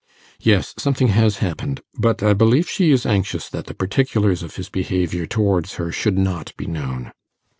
'Yes, something has happened; but I believe she is anxious that the particulars of his behaviour towards her should not be known.